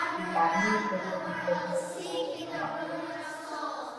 Dar nu este suficientă numai recunoașterea.